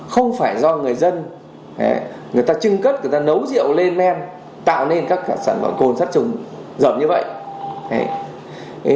không phải do người dân người ta trưng cất người ta nấu rượu lên men tạo nên các sản phẩm cồn sắt chủng rẩm như vậy